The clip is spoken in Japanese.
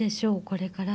これから。